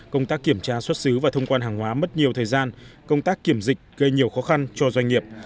công tác kiểm tra xuất xứ và thông quan hàng hóa mất nhiều thời gian công tác kiểm dịch gây nhiều khó khăn cho doanh nghiệp